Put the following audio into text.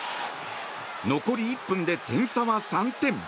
残り１分で点差は３点。